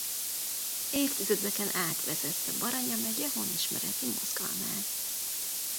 Évtizedeken át vezette Baranya megye honismereti mozgalmát.